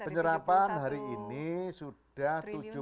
penyerapan hari ini sudah